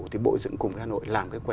thì bộ dựng cùng hà nội làm cái quả